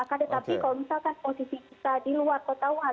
akan tetapi kalau misalkan posisi kita di luar kota wuhan